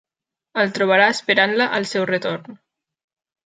El trobarà esperant-la al seu retorn.